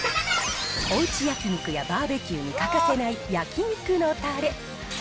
おうち焼肉やバーベキューに欠かせない焼肉のたれ。